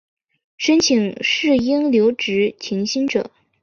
申请育婴留职停薪者